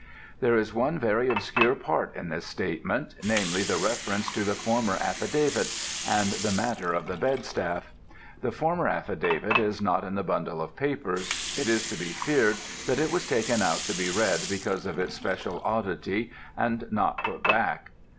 There is one very obscure part in this statement, namely, the reference to the former affidavit and the matter of the bedstaff. The former affidavit is not in the bundle of papers. It is to be feared that it was taken out to be read because of its special oddity, and not put back.